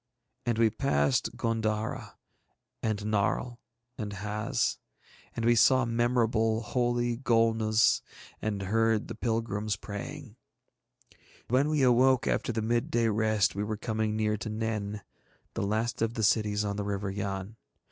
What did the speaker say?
And we passed G├│ndara and Narl and Haz. And we saw memorable, holy Golnuz, and heard the pilgrims praying. When we awoke after the midday rest we were coming near to Nen, the last of the cities on the River Yann.